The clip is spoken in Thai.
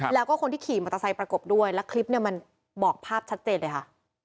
แล้วก็คนที่ขี่มอเตอร์ไซค์ประกบด้วยแล้วคลิปเนี่ยมันบอกภาพชัดเจนเลยค่ะ